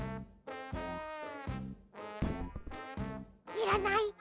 いらない。